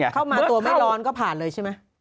เข้ามาตัวไม่ร้อนก็ผ่านเลยใช่ไหม